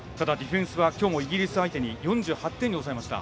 ただ、ディフェンスはきょうもイギリス相手に４８点に抑えました。